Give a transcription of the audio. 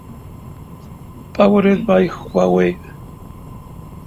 Powered by Huawei.